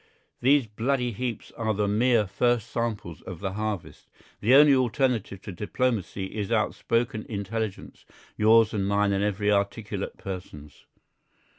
These bloody heaps are the mere first samples of the harvest. The only alternative to diplomacy is outspoken intelligence, yours and mine and every articulate person's.